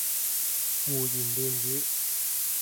胡言亂語